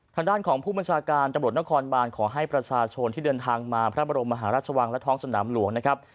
ทางด้านของผู้บัญชาการตำรวจนครบานขอให้ประชาชนที่เดินทางมาพระบรมมหาราชวังและท้องสนามหลวงนะครับ